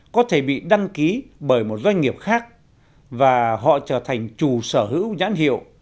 có thể bị đăng ký bởi một doanh nghiệp khác và họ trở thành chủ sở hữu nhãn hiệu